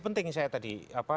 pentingnya saya tadi